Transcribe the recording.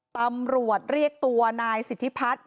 ตำรวจเรียกตัวนายสิทธิพัฒน์